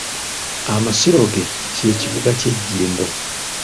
Amasiro ge, kye kibuga kye Jjimbo.